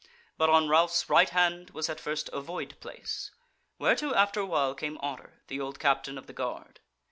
But on Ralph's right hand was at first a void place, whereto after a while came Otter, the old Captain of the Guard.